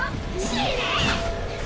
死ね！